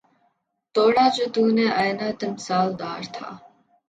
توڑا جو تو نے آئنہ تمثال دار تھا